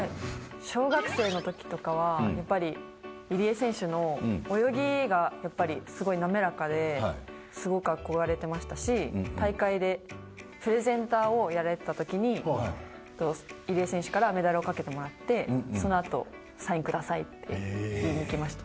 小学生の時とかはやっぱり入江選手の泳ぎがやっぱりすごい滑らかですごく憧れてましたし大会でプレゼンターをやられてた時に入江選手からメダルをかけてもらってそのあと「サインください」って言いに行きました。